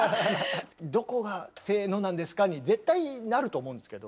「どこが『せの』なんですか？」に絶対なると思うんですけど。